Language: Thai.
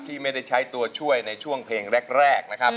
ที่ไม่ได้ใช้ตัวช่วยในช่วงเพลงแรกนะครับ